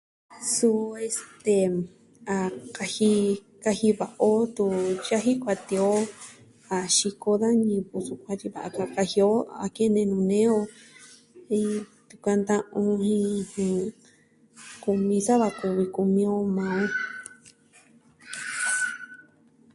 Suu, este, a kaji, kaji va'a o tun yaji kuatee o a xiko da ñivɨ yukuan tyi a kaji o a kene nuu nee o vi kunta'an jin on jen kumi, sa va kumi on maa on.